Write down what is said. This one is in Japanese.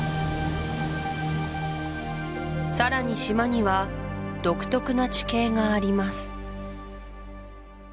さらに島には独特な地形があります